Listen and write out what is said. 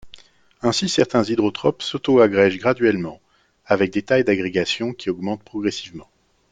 Ainsi certains hydrotropes s'auto-agrègent graduellement, avec des tailles d'agrégation qui augmentent progressivement.